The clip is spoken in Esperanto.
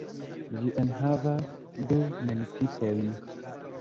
Ĝi enhavas du municipojn.